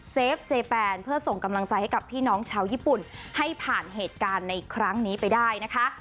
เฟฟเจแปนเพื่อส่งกำลังใจให้กับพี่น้องชาวญี่ปุ่นให้ผ่านเหตุการณ์ในครั้งนี้ไปได้นะคะ